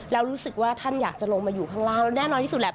แล้วรู้สึกว่าท่านอยากจะลงมาอยู่ข้างล่างแน่นอนที่สุดแหละ